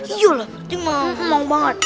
iya lah ini mau banget